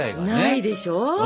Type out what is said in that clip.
ないでしょう？